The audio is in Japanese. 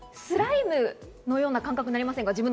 スライムのような感覚になりませんか？